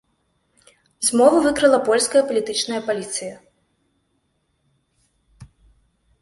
Змову выкрыла польская палітычная паліцыя.